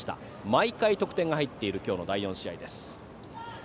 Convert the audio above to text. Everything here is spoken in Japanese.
毎回得点が入っている今日の第４試合です。